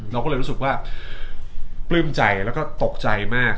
เราก็เลยรู้สึกว่าปลื้มใจแล้วก็ตกใจมาก